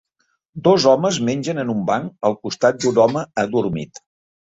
Dos homes mengen en un banc al costat d'un home adormit.